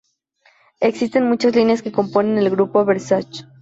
Existen muchas líneas que componen el Grupo Versace.